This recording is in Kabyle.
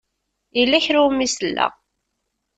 Yella kra i wumi selleɣ.